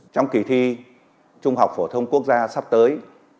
trong kỳ thi trung học phổ thông quốc gia sắp tới